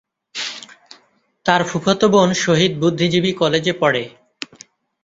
তার ফুফাতো বোন শহীদ বুদ্ধিজীবী কলেজে পড়ে।